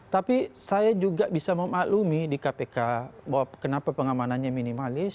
tapi saya juga bisa memaklumi di kpk bahwa kenapa pengamanannya minimalis